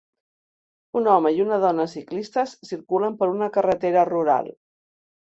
Un home i una dona ciclistes circulen per una carretera rural.